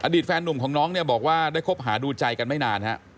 อดีตแฟนหนุ่มของน้องบอกว่าได้คบหาดูใจกันไม่นาน